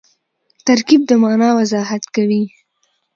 ترکیب د مانا وضاحت کوي.